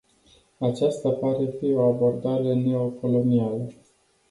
Aceasta pare a fi o abordare neocolonială.